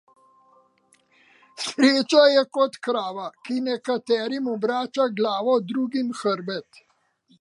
Sreča je kot krava, ki nekaterim obrača glavo, drugim hrbet.